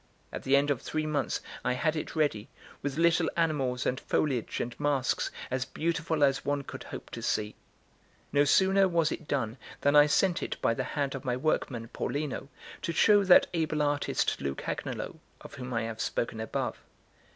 At the end of three months I had it ready, with little animals and foliage and masks, as beautiful as one could hope to see. No sooner was it done than I sent it by the hand of my workman, Paulino, to show that able artist Lucagnolo, of whom I have spoken above.